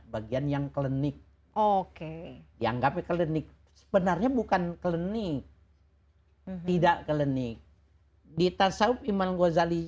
bagian yang klenik oke dianggap klenik sebenarnya bukan klenik tidak klenik di tasawuf imam al ghazali